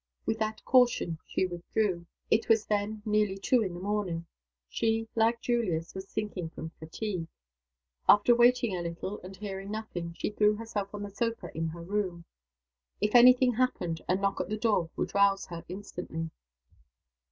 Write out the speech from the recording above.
With that caution she withdrew. It was then nearly two in the morning. She, like Julius, was sinking from fatigue. After waiting a little, and hearing nothing, she threw herself on the sofa in her room. If any thing happened, a knock at the door would rouse her instantly.